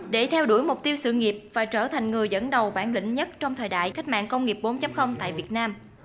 để theo đuổi mục tiêu sự nghiệp và trở thành người dẫn đầu bản lĩnh nhất trong thời đại cách mạng công nghiệp bốn tại việt nam